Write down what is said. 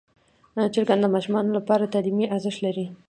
چرګان د ماشومانو لپاره تعلیمي ارزښت لري.